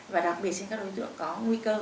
và đặc biệt trên các đối tượng có nguy cơ